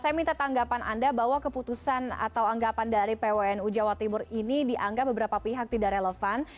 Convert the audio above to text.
saya minta tanggapan anda bahwa keputusan atau anggapan dari pwnu jawa timur ini dianggap beberapa pihak tidak relevan